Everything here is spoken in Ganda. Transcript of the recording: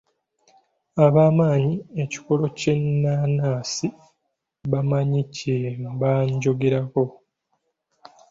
Abamanyi ekikolo ky'ennaanansi bamanyi kye mba njogerako.